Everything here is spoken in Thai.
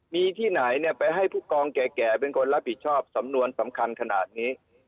มีที่ไหนไปให้ผู้กองแก่เป็นคนรับผิดชอบสำนวนสำคัญขนาดนี้